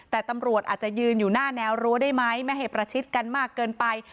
แต่ตำรวจอาจจะยืนอยู่หน้าแนวรั้วได้ไหมไม่ให้ประชิดกันมากเกินไป